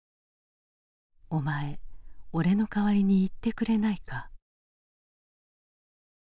「お前俺の代わりに行ってくれないか？」。